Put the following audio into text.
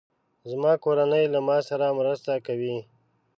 زما کورنۍ له ما سره مرسته کوي.